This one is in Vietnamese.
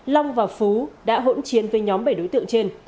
long và phú đã hỗn chiến với nhóm bảy đối tượng trên